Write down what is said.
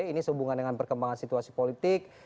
ini sehubungan dengan perkembangan situasi politik